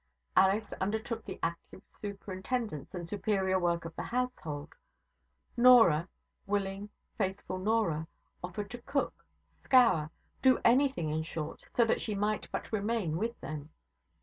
Alice undertook the active superintendence and superior work of the household; Norah willing, faithful Norah offered to cook, scour, do anything in short, so that she might but remain with them.